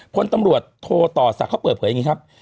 พลตำรวจโทต่อศักดิ์เขาเปิดเผยอย่างนี้ครับ